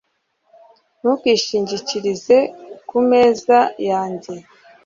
ntukishingikirize ku meza yanjye